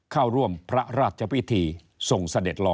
เข้าร่วมพระราชพิธีทรงเสด็จหล่อ